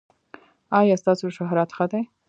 ایا ستاسو شهرت ښه دی؟